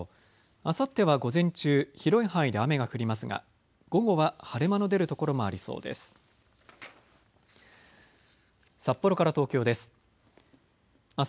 あさっては午前中、広い範囲で雨が降りますが午後は晴れ間の出る所もありそうです。